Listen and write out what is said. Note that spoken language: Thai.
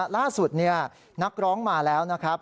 ล่าสุดนักร้องมาแล้วนะครับ